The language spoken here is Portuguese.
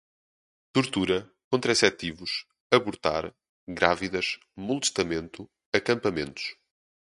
tortura, contraceptivos, abortar, grávidas, molestamento, acampamentos